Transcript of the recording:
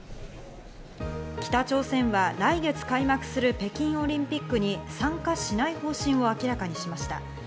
北朝鮮は来月開幕する北京オリンピックに参加しない方針を明らかにしました。